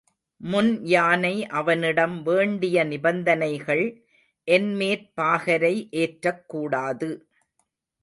முன் யானை அவனிடம் வேண்டிய நிபந்தனைகள், என்மேற் பாகரை ஏற்றக்கூடாது.